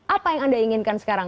apa yang anda inginkan sekarang